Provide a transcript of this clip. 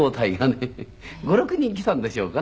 ５６人来たんでしょうかね